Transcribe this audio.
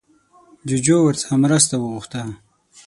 جوجو ورڅخه مرسته وغوښته